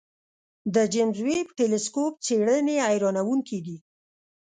د جیمز ویب ټېلسکوپ څېړنې حیرانوونکې دي.